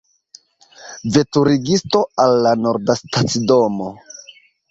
Veturigisto, al la Nordastacidomo!